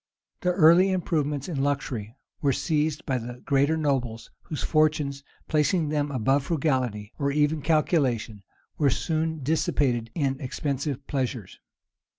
The early improvements in luxury were seized by the greater nobles, whose fortunes, placing them above frugality, or even calculation, were soon dissipated in expensive pleasures.